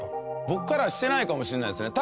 僕からはしてないかもしれないですね。